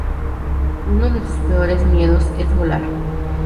Uno de sus peores miedos es volar.